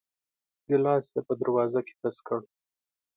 ګيلاس يې په دروازه کې تش کړ.